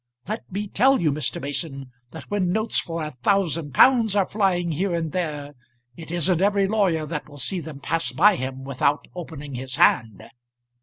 Let me tell you, Mr. Mason, that when notes for a thousand pounds are flying here and there, it isn't every lawyer that will see them pass by him without opening his hand."